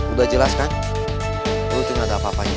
udah jelas kan lo tuh gak ada apa apanya